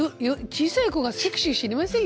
小さい子がセクシー知りませんよね。